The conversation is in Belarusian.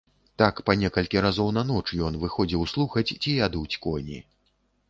Так па некалькі разоў на ноч ён выходзіў слухаць, ці ядуць коні.